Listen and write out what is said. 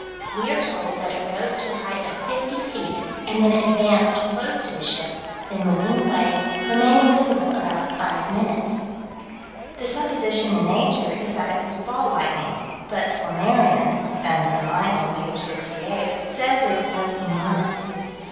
We are told that it rose to a height of fifty feet, and then advanced close to the ship, then moving away, remaining visible about five minutes. The supposition in Nature is that it was "ball lightning," but Flammarion, Thunder and Lightning, p. 68, says that it was enormous.